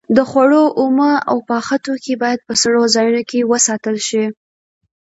د خوړو اومه او پاخه توکي باید په سړو ځایونو کې وساتل شي.